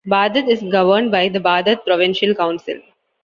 Baghdad is governed by the Baghdad Provincial Council.